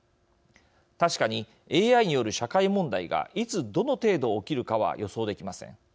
確かに、ＡＩによる社会問題がいつ、どの程度起きるかは予想できません。